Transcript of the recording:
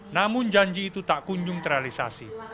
namun janji itu tak kunjung terrealisasi